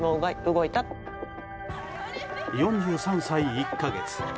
４３歳１か月。